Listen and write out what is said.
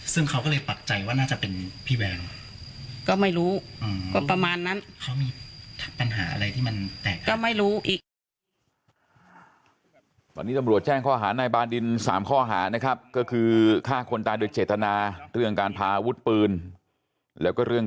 ซึ่งเขาก็เลยปักใจว่าน่าจะเป็นพี่แวง